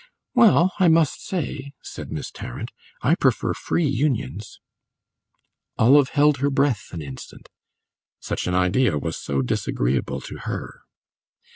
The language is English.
"Well, I must say," said Miss Tarrant, "I prefer free unions." Olive held her breath an instant; such an idea was so disagreeable to her.